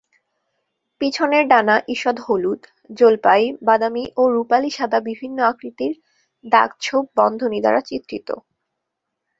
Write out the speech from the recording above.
পিছনের ডানা ইষদ হলুদ, জলপাই বাদামী ও রূপালী সাদা বিভিন্ন আকৃতির দাগ-ছোপ বন্ধনী দ্বারা চিত্রিত।